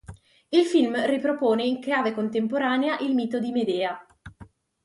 Il film ripropone in chiave contemporanea il mito di Medea.